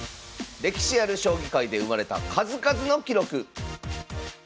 歴史ある将棋界で生まれた数々の記録